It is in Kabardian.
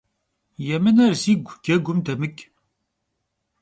Yêmıner zigu, jegum demıç'.